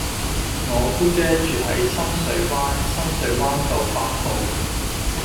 我姑姐住喺深水灣深水灣道八號